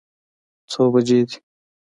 څه بجې دي؟